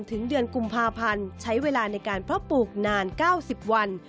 ถึงเดือนกุมภาพันธ์ใช้เวลาในการเพาะปลูกนาน๙๐วัน